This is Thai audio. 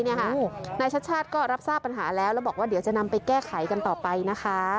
นายชัดชาติก็รับทราบปัญหาแล้วแล้วบอกว่าเดี๋ยวจะนำไปแก้ไขกันต่อไปนะคะ